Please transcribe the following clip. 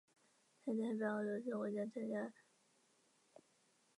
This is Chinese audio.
他也代表俄罗斯国家篮球队参赛。